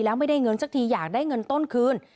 แล้วไม่ได้เงินสักทีอยากได้เงินต้นคืน